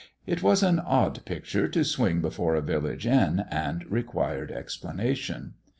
It was an odd picture to swing before a village inn, and required explanation.